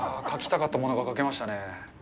書きたかったものが書けましたね。